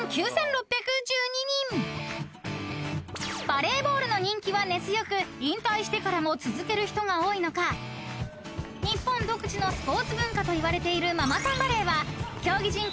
［バレーボールの人気は根強く引退してからも続ける人が多いのか日本独自のスポーツ文化といわれている］